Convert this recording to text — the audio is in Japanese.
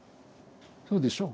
そうでしょ？